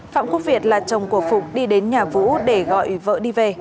phạm quốc việt là chồng của phụng đi đến nhà vũ để gọi vợ đi về